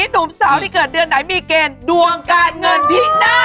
หนุ่มสาวที่เกิดเดือนไหนมีเกณฑ์ดวงการเงินพิ่งหน้า